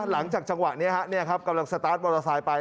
หลังจากจังหวะนี้ครับเนี่ยครับกำลังสตาร์ทมอเตอร์ไซด์ไป